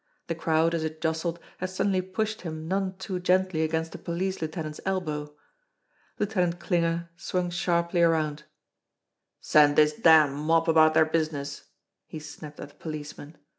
The crowd, as it jostled, had suddenly pushed him none too gently against the police lieutenant's elbow. Lieutenant Klinger swung sharply around. "Send this damned mob about their business !" he snapped at the policeman.